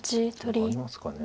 でもありますか。